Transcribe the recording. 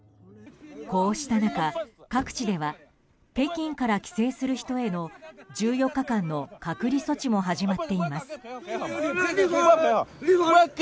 こうした中、各地では北京から帰省する人への１４日間の隔離措置も始まっています。